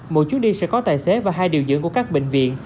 một chút đi sẽ có tài xế và hai điều dưỡng của các bệnh viện